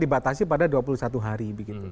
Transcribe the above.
dibatasi pada dua puluh satu hari